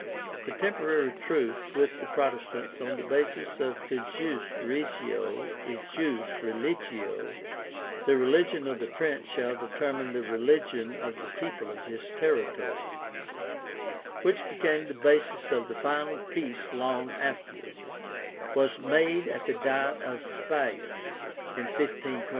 The temporary truce with the Protestants on the basis Cujus regio, ejus religio ("the religion of the prince shall determine the religion of the people of his territory"), which became the basis of the final peace long afterward, was made at the Diet of Speyer in 1526.